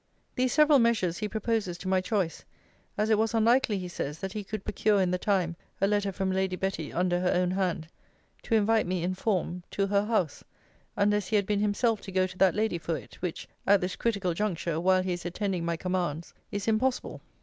'These several measures he proposes to my choice; as it was unlikely, he says, that he could procure, in the time, a letter from Lady Betty, under her own hand, to invite me in form to her house, unless he had been himself to go to that lady for it; which, at this critical juncture, while he is attending my commands, is impossible.